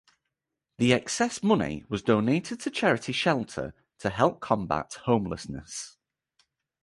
The excess money was donated to charity Shelter to help combat homelessness.